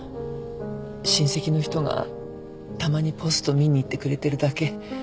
親戚の人がたまにポスト見に行ってくれてるだけ。